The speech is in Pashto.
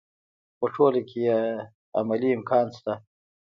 خو په ټوله کې یې عملي امکان شته.